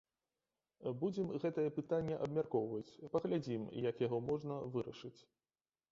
Будзем гэтае пытанне абмяркоўваць, паглядзім, як яго можна вырашыць.